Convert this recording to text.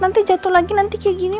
nanti jatuh lagi nanti kayak gini